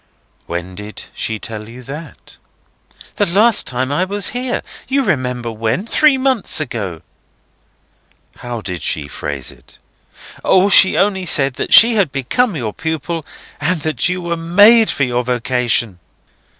"When did she tell you that?" "The last time I was here. You remember when. Three months ago." "How did she phrase it?" "O, she only said that she had become your pupil, and that you were made for your vocation."